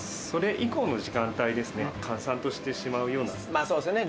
まあそうですよね